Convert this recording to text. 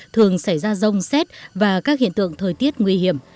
thường xảy ra rông xét và các hiện tượng thời tiết nguy hiểm